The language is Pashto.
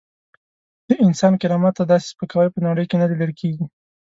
د انسان کرامت ته داسې سپکاوی په نړۍ کې نه لیدل کېږي.